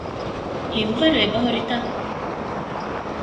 ހިތްވަރު އެބަހުރިތަ؟